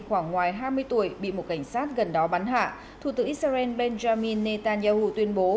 khoảng ngoài hai mươi tuổi bị một cảnh sát gần đó bắn hạ thủ tướng israel benjamin netanyahu tuyên bố